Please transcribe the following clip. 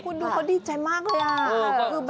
คุณดูเขาดีใจมากเลยอ่ะ